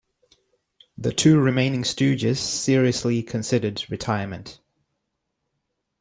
The two remaining Stooges seriously considered retirement.